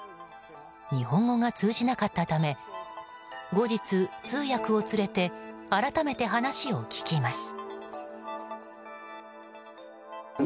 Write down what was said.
日本語が通じなかったため後日、通訳を連れて改めて話を聞きます。